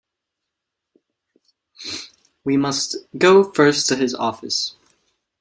We must go first to his office.